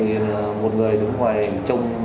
một người đứng ngoài trông